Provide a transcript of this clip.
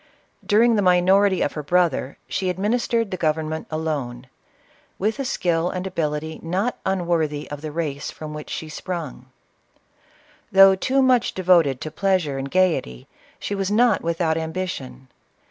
Dur ing the minority of her brother, she administered the government alone, with a skill and ability not unwor thy of the race from which she sprung. Though too much devoted to pleasure and gayety, she was not without ambition.